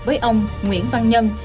với ông nguyễn văn nhân